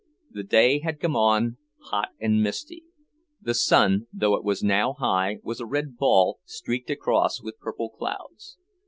The day had come on hot and misty. The sun, though it was now high, was a red ball, streaked across with purple clouds.